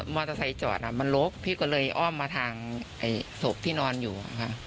มอเตอร์ไซค์จอดมันลกพี่ก็เลยอ้อมมาทางศพที่นอนอยู่